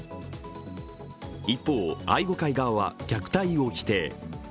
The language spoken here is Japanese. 一方、愛護会側は虐待を否定。